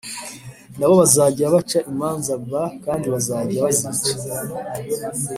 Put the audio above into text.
Ni bo bazajya baca imanza b kandi bazajya bazica